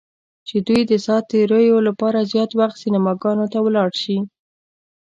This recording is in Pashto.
چې دوی د ساعت تیریو لپاره زیات وخت سینماګانو ته ولاړ شي.